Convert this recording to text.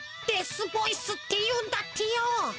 デスボイスっていうんだってよ。